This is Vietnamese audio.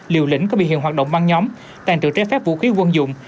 liều lĩnh có bị hiện hoạt động ban nhóm tàng trữ trái phép vũ khí quân dụng